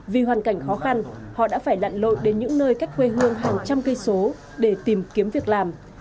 vì hoàn cảnh khó khăn họ đã phải lặn lội đến những nơi cách quê hương hàng trăm cây số để tìm kiếm việc làm